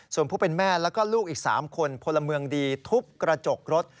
ส่วนผู้เป็นแม่แล้วก็ลูกอีก๓คนพลเมืองดีทุบกระจกรถ